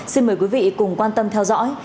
xin mời quý vị cùng quan tâm theo dõi